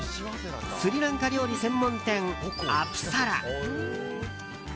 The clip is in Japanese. スリランカ料理専門店アプサラ。